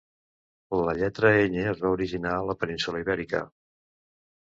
La lletra Ñ es va originar a la península Ibèrica.